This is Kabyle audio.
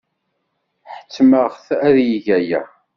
Ḥettmeɣ-t ad yeg aya.